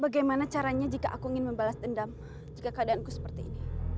bagaimana caranya jika aku ingin membalas dendam jika keadaanku seperti ini